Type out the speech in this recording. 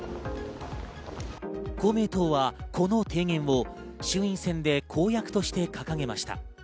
公明党はこの提言を衆院選で公約として掲げました。